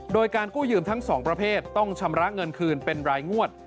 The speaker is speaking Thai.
โดยการกู้ยืมทั้งสองประเภทต้องชำระเงินคืนเป็นรายงวด